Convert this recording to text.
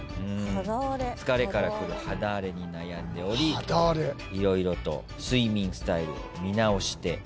疲れからくる肌荒れに悩んでおり色々と睡眠スタイルを見直していました。